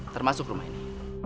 termasuk rumah ini